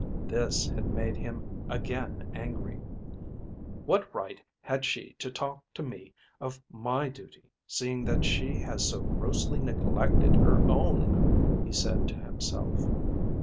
This had made him again angry. "What right had she to talk to me of my duty seeing that she has so grossly neglected her own?" he said to himself.